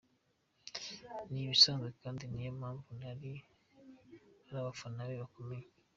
Ni ibisanzwe kandi niyo mpamvu ari n’abafana be bakomeye.